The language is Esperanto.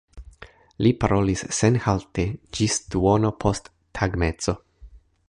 Li parolis senhalte ĝis duono post tagmezo.